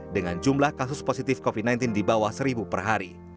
dengan jumlah kasus positif covid sembilan belas di bawah seribu per hari